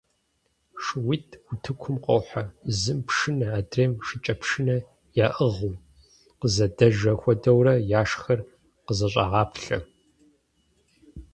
ШууитӀ утыкум къохьэ, зым пшынэ, адрейм шыкӀэпшынэ яӀыгъыуи, къызэдэжэ хуэдэурэ яшхэр къызэщӀагъаплъэ.